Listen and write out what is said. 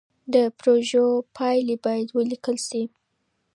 د پروژو پايلې بايد وليکل سي.